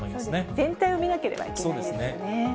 全体を見なければいけないですよね。